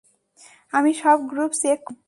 আমি সব group check করেছি।